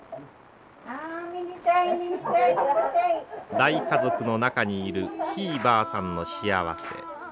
大家族の中にいるひいばあさんの幸せ。